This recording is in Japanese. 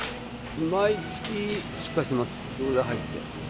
毎月出荷してます、オーダー入って。